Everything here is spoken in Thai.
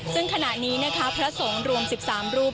ซึ่งขณะนี้นะคะพระสงฆ์รวม๑๓รูป